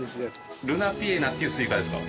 ルナピエナっていうスイカですか？